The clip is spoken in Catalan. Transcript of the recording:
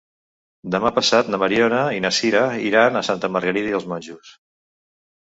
Demà passat na Mariona i na Sira iran a Santa Margarida i els Monjos.